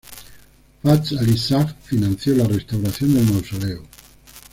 Fath Alí Sah financió la restauración del mausoleo.